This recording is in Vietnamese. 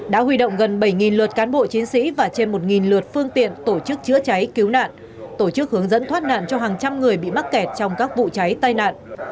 đã huy động gần bảy lượt cán bộ chiến sĩ và trên một lượt phương tiện tổ chức chữa cháy cứu nạn tổ chức hướng dẫn thoát nạn cho hàng trăm người bị mắc kẹt trong các vụ cháy tai nạn